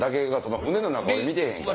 船の中俺見てへんから。